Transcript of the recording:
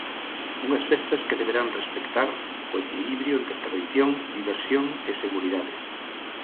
Unhas festas que deberán respectar o equilibrio entre tradición, diversión e seguridade.